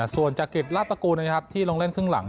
ส่วนจักริตลัตตะกูลโรงเล่นครึ่งหลัง